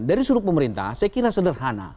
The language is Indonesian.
dari sudut pemerintah saya kira sederhana